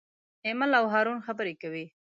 ایمل او هارون خبرې کوي.